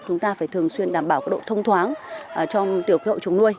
chúng ta phải thường xuyên đảm bảo độ thông thoáng trong tiểu khí hậu trường nuôi